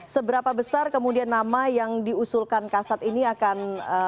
seberapa besar kemudian nama yang diusulkan kasat ini akan